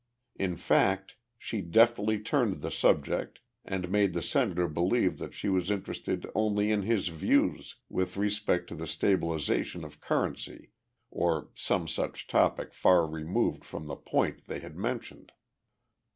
In fact, she deftly turned the subject and made the Senator believe that she was interested only in his views with respect to the stabilization of currency or some such topic far removed from the point they had mentioned.